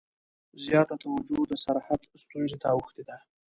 زیاته توجه د سرحد ستونزې ته اوښتې ده.